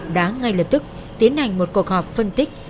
đã ngay lập tức tiến hành một cuộc họp phân tích